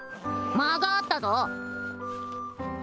間があったぞ！